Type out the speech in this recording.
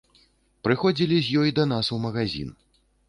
Прыходзілі з ёй да нас у магазін.